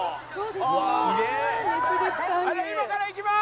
今から行きまーす！